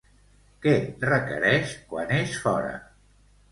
Què requereix quan és fora?